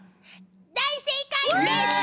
大正解です！